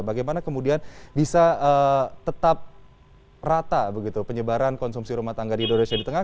bagaimana kemudian bisa tetap rata begitu penyebaran konsumsi rumah tangga di indonesia di tengah